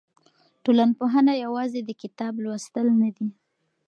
ټولنپوهنه یوازې د کتاب لوستل نه دي.